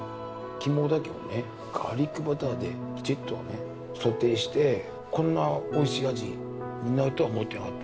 肝だけをねガーリックバターできちっとねソテーしてこんなおいしい味になるとは思っていなかったし。